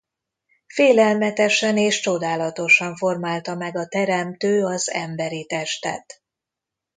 Félelmetesen és csodálatosan formálta meg a Teremtő az emberi testet.